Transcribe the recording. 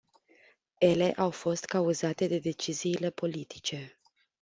Ele au fost cauzate de deciziile politice.